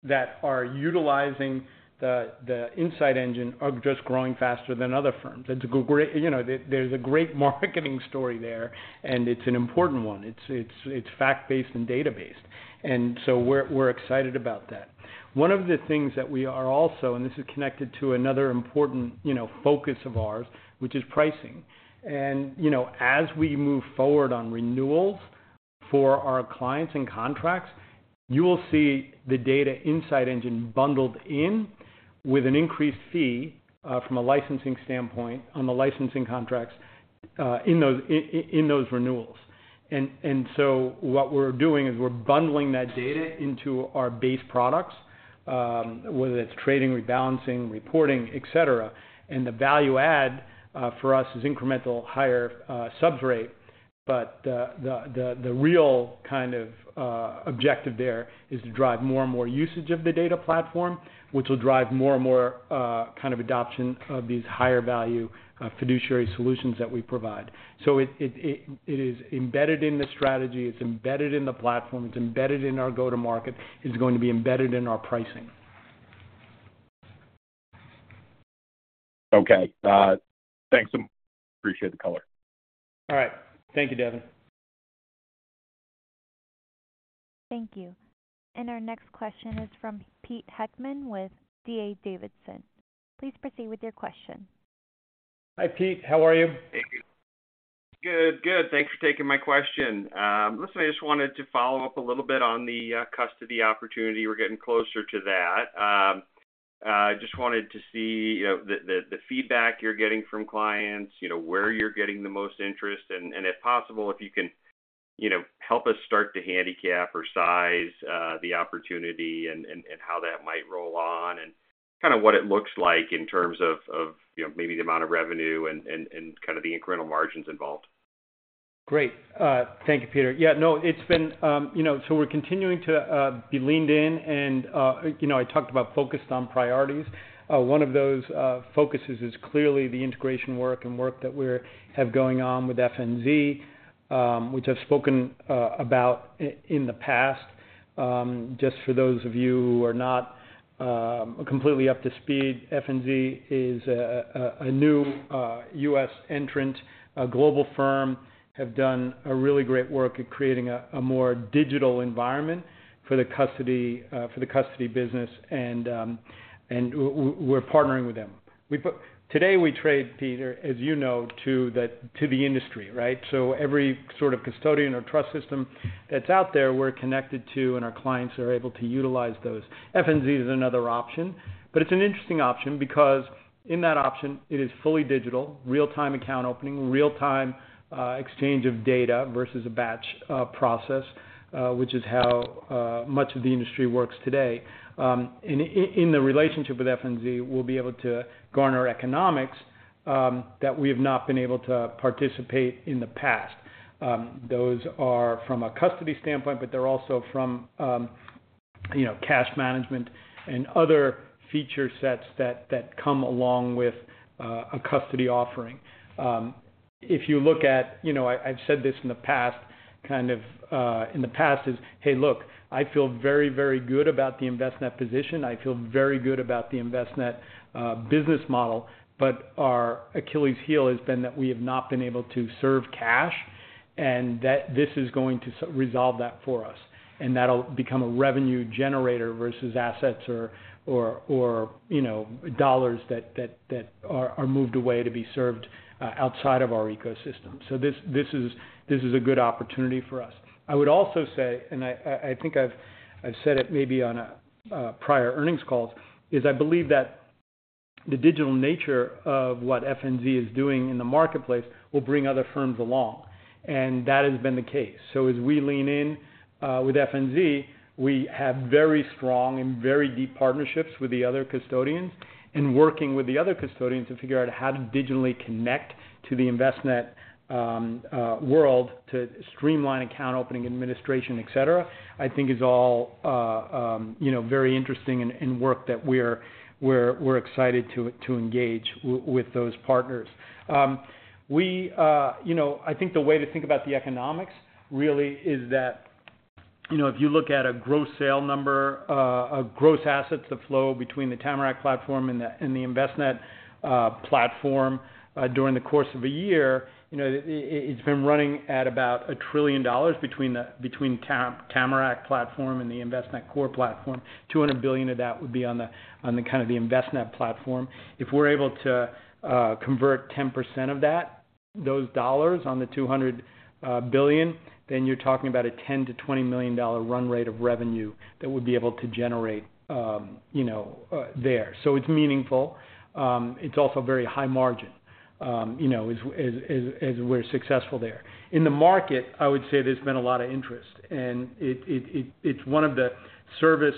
that are utilizing the, the Insights Engine are just growing faster than other firms. It's a great, you know, there's a great marketing story there, and it's an important one. It's, it's, it's fact-based and data-based, we're, we're excited about that. One of the things that we are also, this is connected to another important, you know, focus of ours, which is pricing. You know, as we move forward on renewals for our clients and contracts, you will see the Insights Engine bundled in with an increased fee from a licensing standpoint on the licensing contracts in those renewals. What we're doing is we're bundling that data into our base products, whether it's trading, rebalancing, reporting, et cetera. The value add for us is incremental higher subs rate. The real kind of objective there is to drive more and more usage of the data platform, which will drive more and more kind of adoption of these higher value fiduciary solutions that we provide. It is embedded in the strategy, it's embedded in the platform, it's embedded in our go-to-market. It's going to be embedded in our pricing. Okay. Thanks, appreciate the color. All right. Thank you, Devin. Thank you. Our next question is from Pete Heckmann with D.A. Davidson. Please proceed with your question. Hi, Pete, how are you? Good, good. Thanks for taking my question. Listen, I just wanted to follow up a little bit on the custody opportunity. We're getting closer to that. I just wanted to see, you know, the, the, the feedback you're getting from clients, you know, where you're getting the most interest, and, and if possible, if you can, you know, help us start to handicap or size the opportunity and, and, and how that might roll on, and kind of what it looks like in terms of, of, you know, maybe the amount of revenue and, and, and kind of the incremental margins involved. Great. Thank you, Peter. Yeah, no, it's been, you know, so we're continuing to be leaned in, and, you know, I talked about focused on priorities. One of those focuses is clearly the integration work and work that we're, have going on with FNZ, which I've spoken about in the past. Just for those of you who are not completely up to speed, FNZ is a new U.S. entrant, a global firm, have done a really great work at creating a more digital environment for the custody for the custody business, and we're partnering with them. Today, we trade, Peter, as you know, to the industry, right? Every sort of custodian or trust system that's out there, we're connected to, and our clients are able to utilize those. FNZ is another option, but it's an interesting option because in that option, it is fully digital, real-time account opening, real-time, exchange of data versus a batch, process, which is how much of the industry works today. In the relationship with FNZ, we'll be able to garner economics, that we have not been able to participate in the past. Those are from a custody standpoint, but they're also from, you know, cash management and other feature sets that, that come along with, a custody offering. You know, I, I've said this in the past, kind of, in the past, is, "Hey, look, I feel very, very good about the Envestnet position. I feel very good about the Envestnet business model, but our Achilles heel has been that we have not been able to serve cash, and that this is going to resolve that for us, and that'll become a revenue generator versus assets or, or, or, you know, dollars that, that, that are, are moved away to be served outside of our ecosystem. This, this is, this is a good opportunity for us. I would also say, I, I, I think I've, I've said it maybe on a prior earnings calls, is I believe that the digital nature of what FNZ is doing in the marketplace will bring other firms along. That has been the case. As we lean in with FNZ, we have very strong and very deep partnerships with the other custodians, and working with the other custodians to figure out how to digitally connect to the Envestnet world to streamline account opening, administration, et cetera, I think is all, you know, very interesting and work that we're excited to engage with those partners. You know, I think the way to think about the economics really is that, you know, if you look at a gross sale number, a gross assets, the flow between the Tamarac platform and the Envestnet platform during the course of a year, you know, it's been running at about $1 trillion between the Tamarac platform and the Envestnet core platform. $200,000,000,000 of that would be on the, on the kind of the Envestnet platform. If we're able to convert 10% of that, those dollars on the $200,000,000,000, then you're talking about a $10,000,000-$20,000,000 run rate of revenue that we'll be able to generate, you know, there. It's meaningful. It's also very high margin, you know, as, as, as, as we're successful there. In the market, I would say there's been a lot of interest, and it, it, it, it's one of the service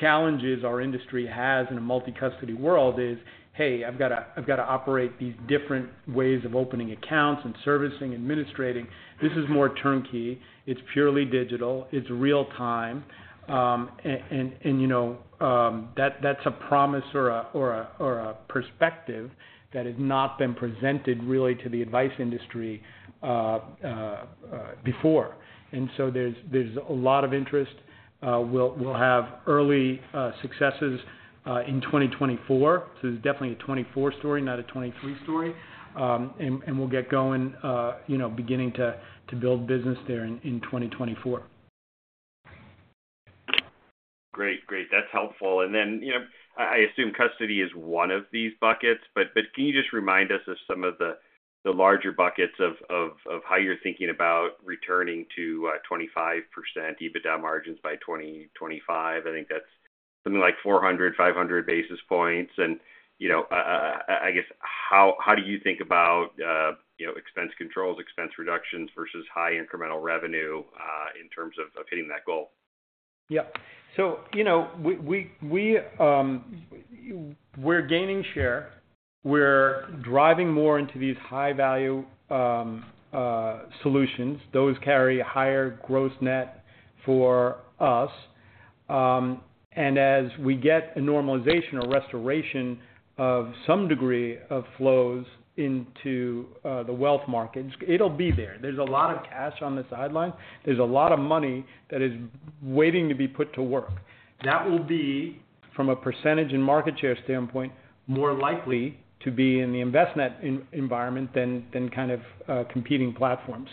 challenges our industry has in a multi-custody world is, hey, I've got to, I've got to operate these different ways of opening accounts and servicing, administrating. This is more turnkey, it's purely digital, it's real time, and, you know, that's a promise or a, or a, or a perspective that has not been presented really to the advice industry before. There's a lot of interest. We'll have early successes in 2024. It's definitely a 2024 story, not a 2023 story. We'll get going, you know, beginning to build business there in 2024.... Great, great, that's helpful. You know, I, I assume custody is one of these buckets, but, but can you just remind us of some of the, the larger buckets of, of, of how you're thinking about returning to 25% EBITDA margins by 2025? I think that's something like 400-500 basis points. You know, I, I guess, how, how do you think about, you know, expense controls, expense reductions versus high incremental revenue in terms of, of hitting that goal? Yeah. you know, we're gaining share. We're driving more into these high-value solutions. Those carry a higher gross net for us. As we get a normalization or restoration of some degree of flows into the wealth markets, it'll be there. There's a lot of cash on the sideline. There's a lot of money that is waiting to be put to work. That will be, from a percentage and market share standpoint, more likely to be in the investment in environment than kind of competing platforms.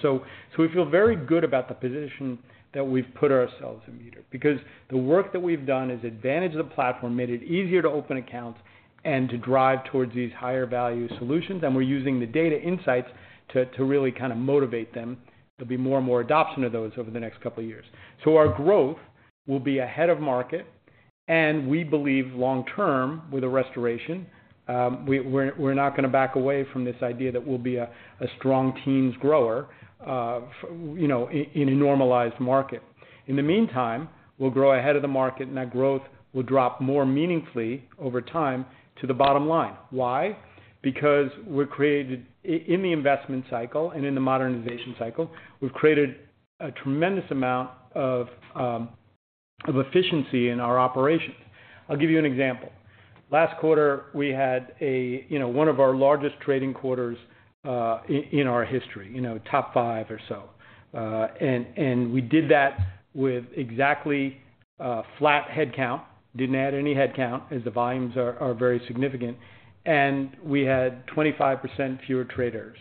We feel very good about the position that we've put ourselves in, because the work that we've done is advantage the platform, made it easier to open accounts and to drive towards these higher value solutions. We're using the data insights to really kind of motivate them to be more and more adoption of those over the next two years. Our growth will be ahead of market, and we believe long term with a restoration, we're not going to back away from this idea that we'll be a strong teens grower, you know, in a normalized market. In the meantime, we'll grow ahead of the market, and that growth will drop more meaningfully over time to the bottom line. Why? Because we're created in the investment cycle and in the modernization cycle, we've created a tremendous amount of efficiency in our operations. I'll give you an example. Last quarter, we had a, you know, one of our largest trading quarters in our history, you know, top five or so. We did that with exactly flat headcount. Didn't add any headcount, as the volumes are very significant, and we had 25% fewer traders.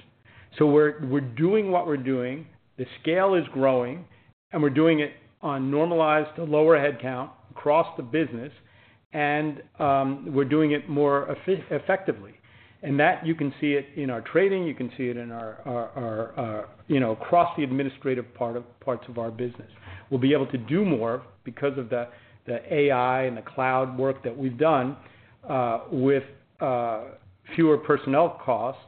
We're, we're doing what we're doing, the scale is growing, and we're doing it on normalized lower headcount across the business, and we're doing it more effectively. That you can see it in our trading, you can see it in our, you know, across the administrative parts of our business. We'll be able to do more because of the AI and the cloud work that we've done with fewer personnel costs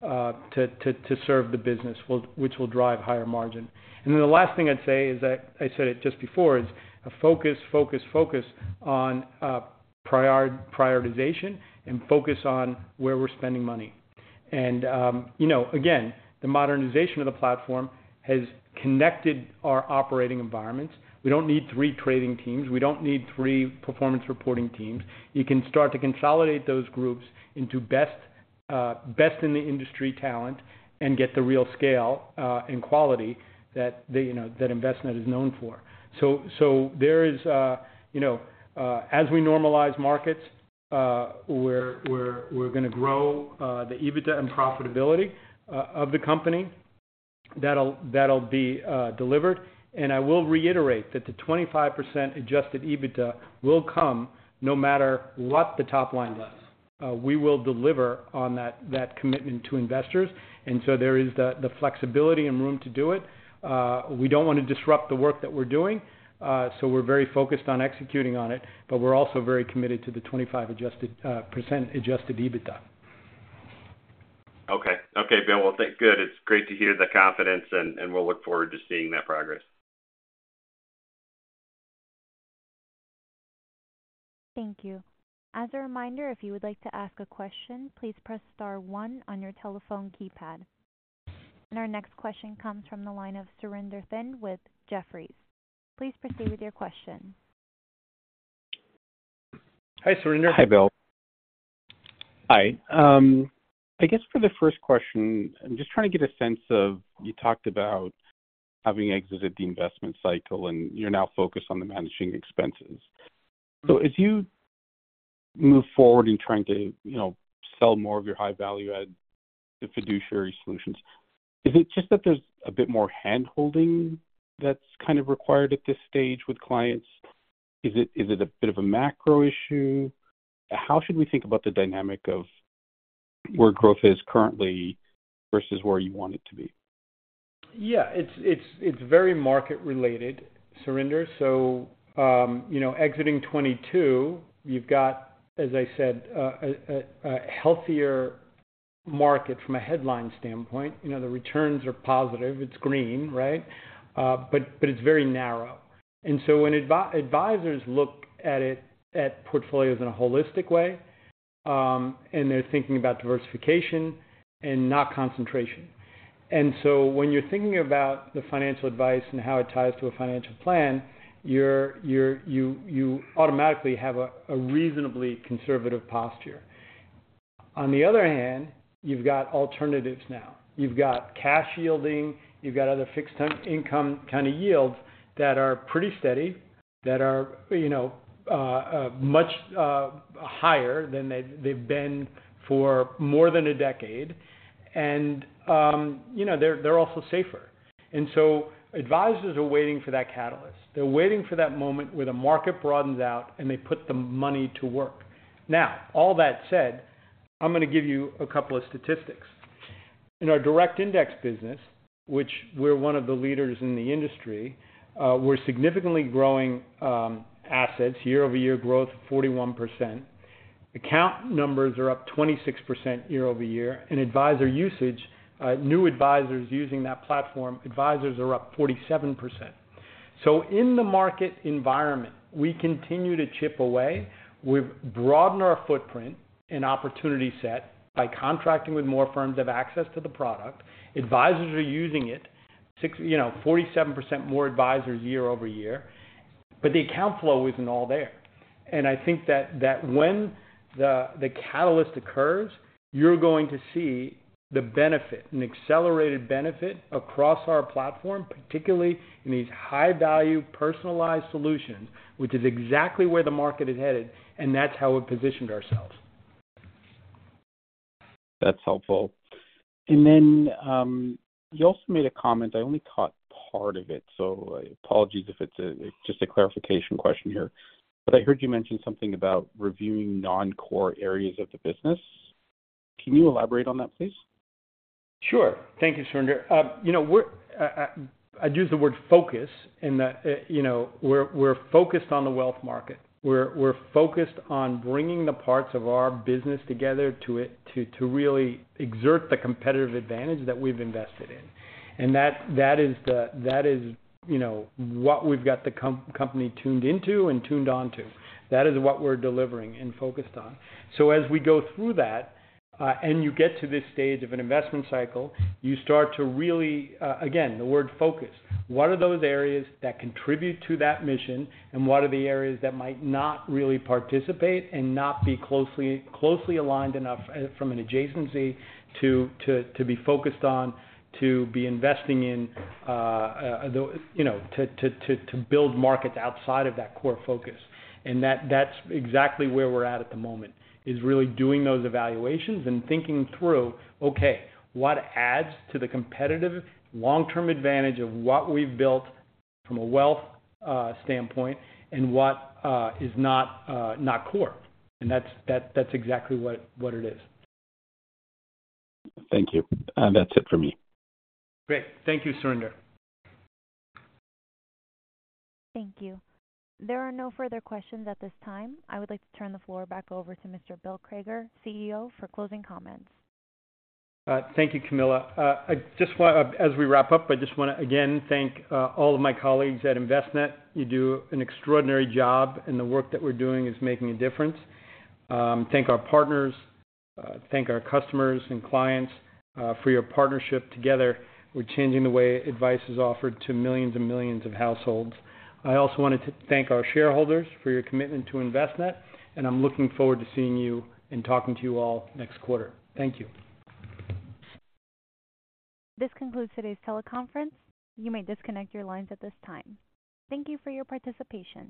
to serve the business, which will drive higher margin. The last thing I'd say is that I said it just before, is a focus, focus, focus on prior- prioritization and focus on where we're spending money. You know, again, the modernization of the platform has connected our operating environments. We don't need three trading teams. We don't need three performance reporting teams. You can start to consolidate those groups into best, best in the industry talent and get the real scale and quality that the, you know, that Envestnet is known for. There is, you know, as we normalize markets, we're, we're, we're going to grow the EBITDA and profitability of the company. That'll, that'll be delivered. I will reiterate that the 25% adjusted EBITDA will come no matter what the top line does. We will deliver on that, that commitment to investors, and so there is the, the flexibility and room to do it. We don't want to disrupt the work that we're doing, so we're very focused on executing on it, but we're also very committed to the 25 adjusted, % adjusted EBITDA. Okay. Okay, Bill. Well, good. It's great to hear the confidence, and, and we'll look forward to seeing that progress. Thank you. As a reminder, if you would like to ask a question, please press star one on your telephone keypad. Our next question comes from the line of Surinder Thind with Jefferies. Please proceed with your question. Hi, Surinder. Hi, Bill. Hi, I guess for the first question, I'm just trying to get a sense of. You talked about having exited the investment cycle and you're now focused on the managing expenses. As you move forward in trying to, you know, sell more of your high value add the fiduciary solutions, is it just that there's a bit more handholding that's kind of required at this stage with clients? Is it, is it a bit of a macro issue? How should we think about the dynamic of where growth is currently versus where you want it to be? Yeah, it's, it's, it's very market related, Surinder. You know, exiting 2022, you've got, as I said, a, a, a healthier market from a headline standpoint. You know, the returns are positive. It's green, right? It's very narrow. When advi- advisors look at it, at portfolios in a holistic way, and they're thinking about diversification and not concentration. When you're thinking about the financial advice and how it ties to a financial plan, you're, you're, you, you automatically have a, a reasonably conservative posture. On the other hand, you've got alternatives now. You've got cash yielding, you've got other fixed income kind of yields that are pretty steady, that are, you know, much, higher than they've, they've been for more than a decade, and, you know, they're, they're also safer.... Advisors are waiting for that catalyst. They're waiting for that moment where the market broadens out, and they put the money to work. All that said, I'm gonna give you a couple of statistics. In our direct index business, which we're one of the leaders in the industry, we're significantly growing assets, year-over-year growth, 41%. Account numbers are up 26% year-over-year, and advisor usage, new advisors using that platform, advisors are up 47%. In the market environment, we continue to chip away. We've broadened our footprint and opportunity set by contracting with more firms, have access to the product. Advisors are using it, you know, 47% more advisors year-over-year, but the account flow isn't all there. I think that, that when the, the catalyst occurs, you're going to see the benefit, an accelerated benefit across our platform, particularly in these high-value, personalized solutions, which is exactly where the market is headed, and that's how we've positioned ourselves. That's helpful. Then, you also made a comment, I only caught part of it, so apologies if it's, just a clarification question here. I heard you mention something about reviewing non-core areas of the business. Can you elaborate on that, please? Sure. Thank you, Surinder. You know, we're, I'd use the word focus in that, you know, we're, we're focused on the wealth market. We're, we're focused on bringing the parts of our business together to really exert the competitive advantage that we've invested in. That, that is the, that is, you know, what we've got the company tuned into and tuned onto. That is what we're delivering and focused on. As we go through that, and you get to this stage of an investment cycle, you start to really, again, the word focus. What are those areas that contribute to that mission, and what are the areas that might not really participate and not be closely, closely aligned enough from an adjacency to be focused on, to be investing in, you know, to build markets outside of that core focus? That, that's exactly where we're at at the moment, is really doing those evaluations and thinking through, okay, what adds to the competitive long-term advantage of what we've built from a wealth standpoint and what is not not core? That's, that's exactly what, what it is. Thank you. That's it for me. Great. Thank you, Surinder. Thank you. There are no further questions at this time. I would like to turn the floor back over to Mr. Bill Crager, CEO, for closing comments. Thank you, Camilla. I just want to, as we wrap up, I just want to again thank all of my colleagues at Envestnet. You do an extraordinary job, and the work that we're doing is making a difference. Thank our partners, thank our customers and clients for your partnership. Together, we're changing the way advice is offered to millions and millions of households. I also wanted to thank our shareholders for your commitment to Envestnet, and I'm looking forward to seeing you and talking to you all next quarter. Thank you. This concludes today's teleconference. You may disconnect your lines at this time. Thank you for your participation.